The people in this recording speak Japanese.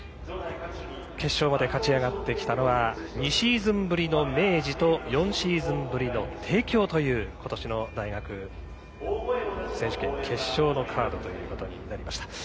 決勝まで勝ち上がってきたのは２シーズンぶりの明治と４シーズンぶりの帝京ということしの大学選手権決勝のカードということになりました。